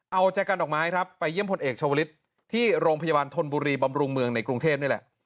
เอาใจกันดอกไม้ครับไปเยี่ยมพลเอกชาวลิศที่โรงพยาบาลธนบุรีบำรุงเมืองในกรุงเทพนี่แหละ